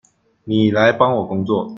妳來幫我工作